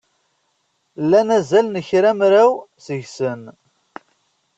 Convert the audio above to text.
Llan azal n kramraw seg-sen.